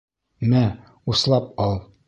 Мә, услап ал!